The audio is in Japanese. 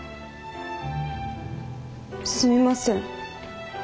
すみません。